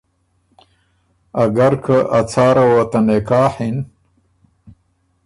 اګر که ا څاره وه ته نکاح اِن